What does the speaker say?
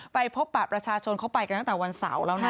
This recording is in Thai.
ไปพบปะประชาชนเขาไปกันตั้งแต่วันเสาร์แล้วนะ